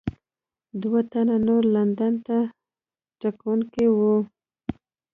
دوه تنه نور لندن ته تګونکي وو.